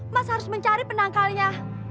mas harus mencari penangkalnya